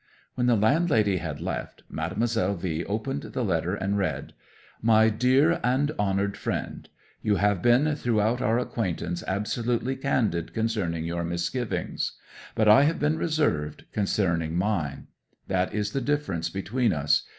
'When the landlady had left, Mademoiselle V opened the letter and read "MY DEAR AND HONOURED FRIEND. You have been throughout our acquaintance absolutely candid concerning your misgivings. But I have been reserved concerning mine. That is the difference between us.